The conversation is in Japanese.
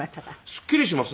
すっきりします。